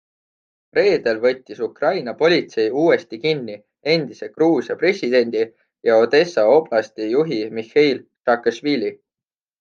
Reedel võttis Ukraina politsei uuesti kinni endise Gruusia presidendi ja Odessa oblasti juhi Mihheil Saakašvili.